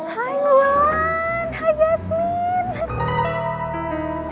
hai luan hai jasmine